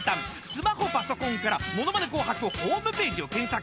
スマホパソコンから『ものまね紅白』ホームページを検索。